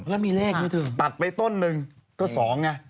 แต่ถะไปต้นนึง